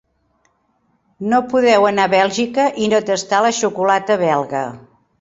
No podeu anar a Bèlgica i no tastar la xocolata belga.